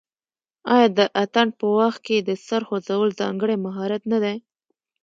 آیا د اتن په وخت کې د سر خوځول ځانګړی مهارت نه دی؟